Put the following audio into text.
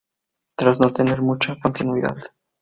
Tras no tener mucha continuidad.